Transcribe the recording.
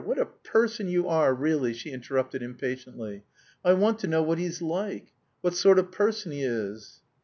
What a person you are, really," she interrupted impatiently. "I want to know what he's like; what sort of man he is."